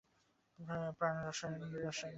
প্রাণায়াম শরীরকে শিক্ষিত করিয়া সৌষ্ঠব দান করে।